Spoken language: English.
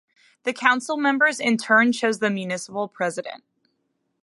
The council members in turn choose the Municipal President.